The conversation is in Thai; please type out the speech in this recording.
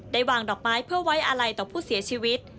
วางดอกไม้เพื่อไว้อาลัยต่อผู้เสียชีวิต